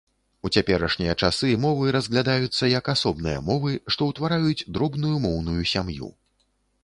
У цяперашнія часы мовы разглядаюцца як асобныя мовы, што ўтвараюць дробную моўную сям'ю.